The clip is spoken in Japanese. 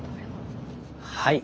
はい。